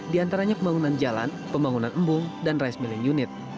di antaranya pembangunan jalan pembangunan embung dan rice milling unit